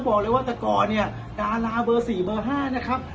บอกเลยว่าตุกรเนี้ยการล้าเบอร์สี่เบอร์ห้านะครับ